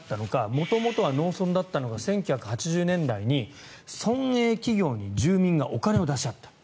元々は農村だったのが１９８０年代に村営企業に住民がお金を出し合った。